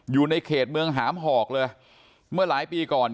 อยู่ในเขตเมืองหามหอกเลยเมื่อหลายปีก่อน